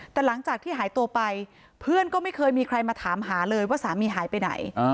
แต่หลังจากที่หายตัวไปเพื่อนก็ไม่เคยมีใครมาถามหาเลยว่าสามีหายไปไหน